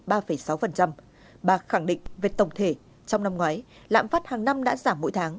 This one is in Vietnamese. bà khẳng định về tổng thể trong năm ngoái lãm phát hàng năm đã giảm mỗi tháng